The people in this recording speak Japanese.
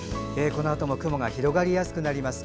このあとも雲が広がりやすくなります。